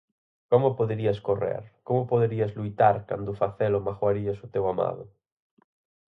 Como poderías correr, como poderías loitar cando ao facelo magoarías o teu amado?